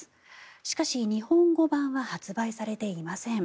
しかし日本語版は発売されていません。